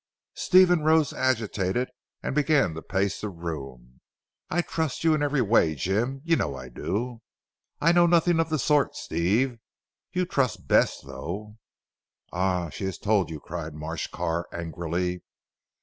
Stephen rose agitated and began to pace the room. "I trust you in every way Jim; you know I do." "I know nothing of the sort Steve. You trust Bess though." "Ah! She has told you?" cried Marsh Carr angrily.